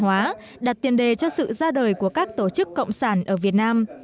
hội thảo đã đặt tiền đề cho sự ra đời của các tổ chức cộng sản ở việt nam